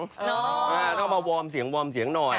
ต้องทำมาวอร์มเสียงหน่อย